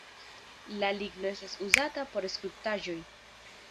La ligno estas uzata por skulptaĵoj.